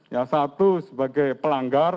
ya satu sebagai pelanggar